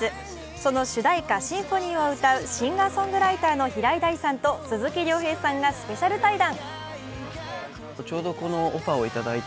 その主題歌「Ｓｙｍｐｈｏｎｙ」を歌うシンガーソングライターの平井大さんと鈴木亮平さんがスペシャル対談。